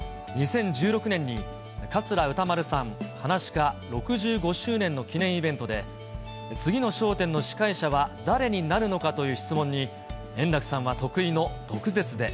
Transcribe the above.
２０１６年に桂歌丸さん、はなし家６５周年の記念イベントで、次の笑点の司会者は誰になるのかという質問に、円楽さんは得意の毒舌で。